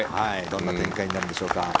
どんな展開になるんでしょうか。